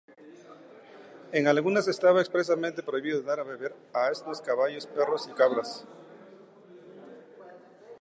En algunas estaba expresamente prohibido dar de beber a asnos, caballos, perros y cabras.